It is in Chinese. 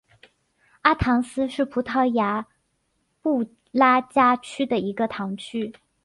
阿唐斯是葡萄牙布拉加区的一个堂区。